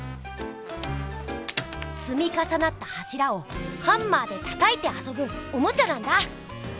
つみかさなったはしらをハンマーでたたいてあそぶおもちゃなんだ！